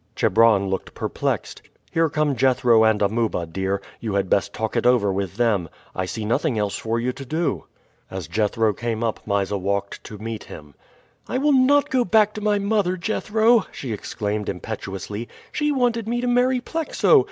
Chebron looked perplexed. "Here come Jethro and Amuba, dear. You had best talk it over with them. I see nothing else for you to do." As Jethro came up Mysa walked to meet him. "I will not go back to my mother, Jethro!" she exclaimed impetuously. "She wanted me to marry Plexo.